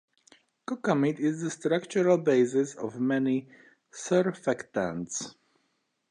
Cocamide is the structural basis of many surfactants.